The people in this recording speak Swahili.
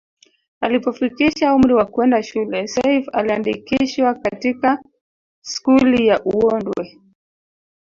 Alipofikisha umri wa kwenda shule Seif aliandikishwa katika skuli ya uondwe